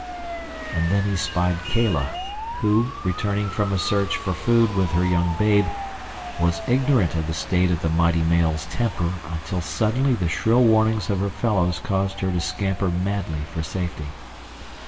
And then he spied Kala, who, returning from a search for food with her young babe, was ignorant of the state of the mighty male's temper until suddenly the shrill warnings of her fellows caused her to scamper madly for safety.